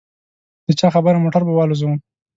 د چا خبره موټر به والوزووم.